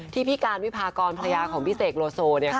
ที่พี่การวิพากรภรรยาของพี่เสกโลโซ